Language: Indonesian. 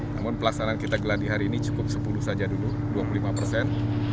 namun pelaksanaan kita geladi hari ini cukup sepuluh saja dulu dua puluh lima persen